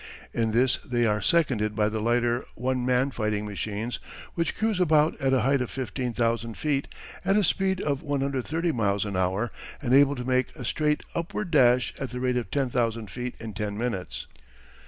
In this they are seconded by the lighter one man fighting machines which cruise about at a height of fifteen thousand feet at a speed of 130 miles an hour and able to make a straight upward dash at the rate of ten thousand feet in ten minutes.